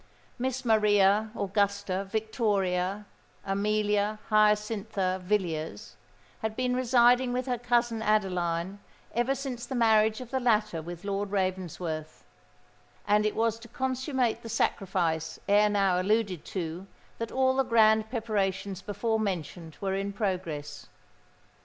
Miss Maria Augusta Victoria Amelia Hyacintha Villiers had been residing with her cousin Adeline, ever since the marriage of the latter with Lord Ravensworth; and it was to consummate the sacrifice ere now alluded to that all the grand preparations before mentioned were in progress.